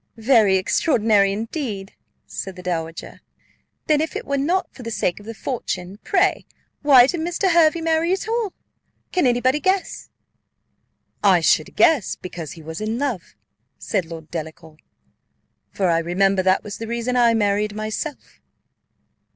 Very extraordinary indeed!" said the dowager. "Then if it were not for the sake of the fortune, pray why did Mr. Hervey marry at all? Can any body guess?" "I should guess because he was in love," said Lord Delacour "for I remember that was the reason I married myself."